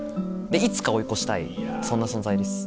いつか追い越したいそんな存在です。